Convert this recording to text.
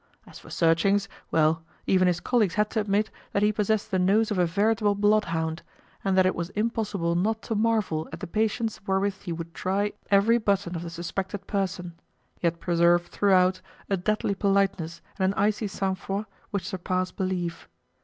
As for searchings, well, even his colleagues had to admit that he possessed the nose of a veritable bloodhound, and that it was impossible not to marvel at the patience wherewith he would try every button of the suspected person, yet preserve, throughout, a deadly politeness and an icy sang froid which surpass belief.